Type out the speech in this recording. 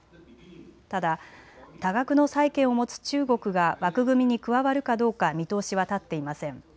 ただ多額の債権を持つ中国が枠組みに加わるかどうか見通しは立っていません。